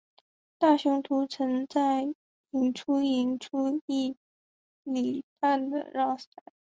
大雄图曾在赢出赢出一哩半的让赛。